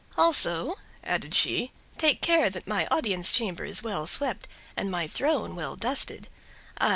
"Also," added she, "take care that my audience chamber is well swept and my throne well dusted.